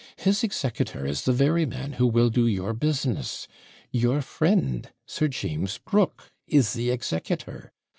'His executor is the very man who will do your business your friend Sir James Brooke is the executor.